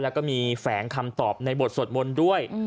แล้วก็มีแฝงคำตอบในบทสวดมนต์ด้วย